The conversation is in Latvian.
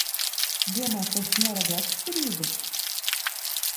Domā, ka es neredzu atšķirību?